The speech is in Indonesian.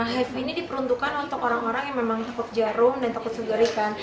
hifu ini diperuntukkan untuk orang orang yang memang takut jarum dan takut segarikan